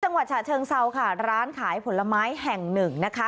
ฉะเชิงเซาค่ะร้านขายผลไม้แห่งหนึ่งนะคะ